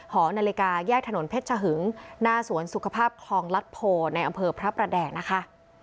หอนาฬิกาแยกถนนเพชรชะหึงหน้าสวนสุขภาพคลองลัดโพในอำเภอพระประแดงนะคะ